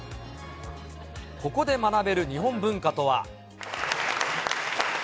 ここで学べる日本文化とは。